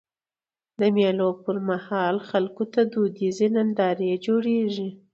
د مېلو پر مهال خلکو ته دودیزي نندارې جوړيږي.